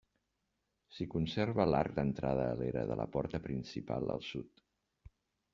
S'hi conserva l'arc d'entrada a l'era de la porta principal al sud.